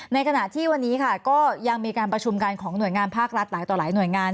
ในขณะที่วันนี้ค่ะก็ยังมีการประชุมกันของหน่วยงานภาครัฐหลายต่อหลายหน่วยงาน